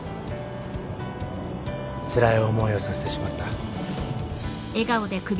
つらい思いをさせてしまった。